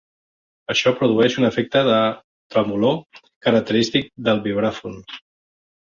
Això produeix un efecte de trèmolo característic del vibràfon.